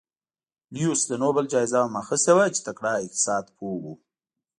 لیوس د نوبل جایزه هم اخیستې وه چې تکړه اقتصاد پوه و.